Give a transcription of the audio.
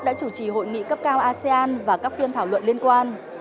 đã chủ trì hội nghị cấp cao asean và các phiên thảo luận liên quan